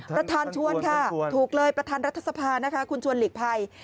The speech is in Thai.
ประธานชวนค่ะถูกเลยประธานรัฐสภานะคะคุณชวนหลีกภัย